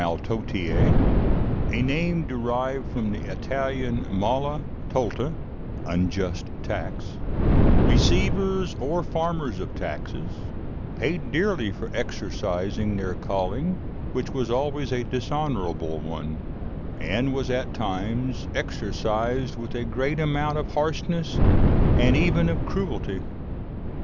] The tax collectors (maltôtiers, a name derived from the Italian mala tolta, unjust tax), receivers, or farmers of taxes, paid dearly for exercising their calling, which was always a dishonourable one, and was at times exercised with a great amount of harshness and even of cruelty.